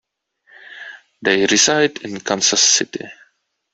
They reside in Kansas City.